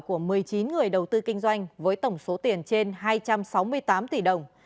của một mươi chín người đầu tư kinh doanh với tổng số tiền trên hai trăm sáu mươi tám tỷ đồng